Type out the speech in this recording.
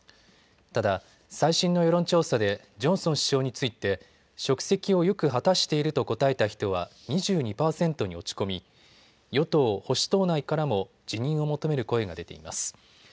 ただ最新の世論調査でジョンソン首相について職責をよく果たしていると答えた人は２２％に落ち込み与党保守党内からも辞任を求める声が出ています。